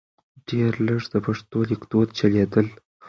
ډېر لږ د پښتو لیکدود چلیدل .